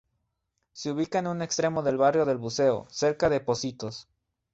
Se ubica en un extremo del barrio del Buceo, cerca de Pocitos.